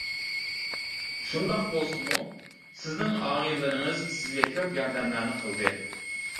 شۇنداق بولسىمۇ سىزنىڭ ئاغىنىلىرىڭىز سىزگە كۆپ ياردەملەرنى قىلدى.